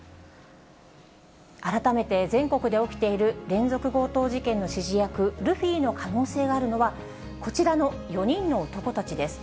改めて全国で起きている連続強盗事件の指示役、ルフィの可能性があるのは、こちらの４人の男たちです。